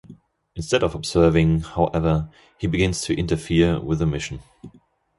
Instead of observing, however, he begins to interfere with the mission.